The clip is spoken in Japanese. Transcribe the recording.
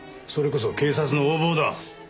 それこそ警察の横暴だ。